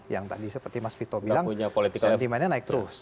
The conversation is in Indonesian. yang tadi seperti mas vito bilang sentimennya naik terus